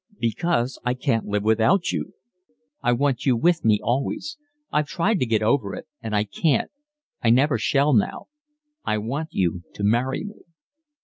"Because I can't live without you. I want you with me always. I've tried to get over it and I can't. I never shall now. I want you to marry me."